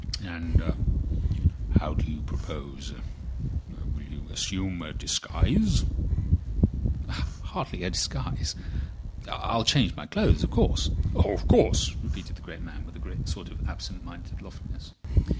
And how do you propose—Will you assume a disguise?" "Hardly a disguise! I'll change my clothes, of course." "Of course," repeated the great man, with a sort of absent minded loftiness.